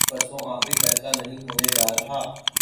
پرسوں آخری فیصلہ نہیں ہونے جارہا۔